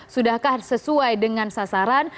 sudahkah sesuai dengan sasaran